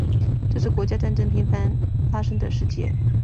这是国家战争频繁发生的世界。